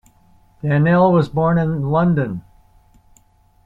Daniell was born in London.